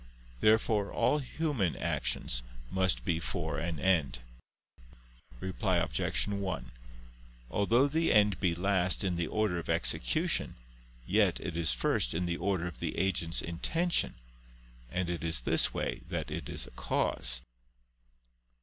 Therefore all human actions must be for an end. Reply Obj. 1: Although the end be last in the order of execution, yet it is first in the order of the agent's intention. And it is this way that it is a cause.